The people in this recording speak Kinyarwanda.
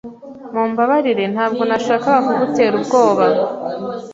Mumbabarire, ntabwo nashakaga kugutera ubwoba.